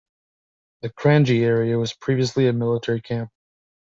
The Kranji area was previously a military camp.